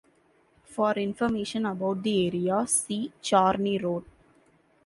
For information about the area, see Charni Road.